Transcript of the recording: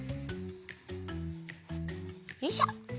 よいしょ！